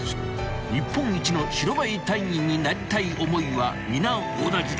［日本一の白バイ隊員になりたい思いは皆同じだ］